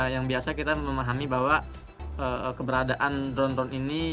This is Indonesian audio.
yang biasa kita memahami bahwa keberadaan drone drone ini